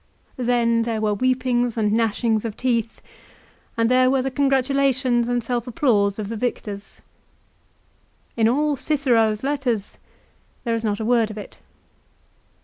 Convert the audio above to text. Then there were weepings and gnashings of teeth, and there were the congratulations and self applause of the victors. In all Cicero's letters there is not a word of it.